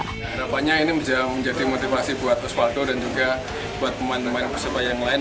harapannya ini bisa menjadi motivasi buat kusvaldo dan juga buat pemain pemain persebaya yang lain